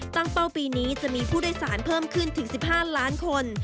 เป้าปีนี้จะมีผู้โดยสารเพิ่มขึ้นถึง๑๕ล้านคน